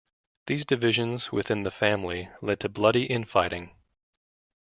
These divisions within the family led to bloody infighting.